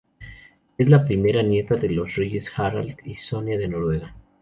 Es la primera nieta de los Reyes Harald y Sonia de Noruega.